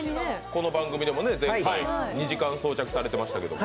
この番組でも前回２時間装着していましたけど。